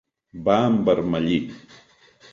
Va envermellir.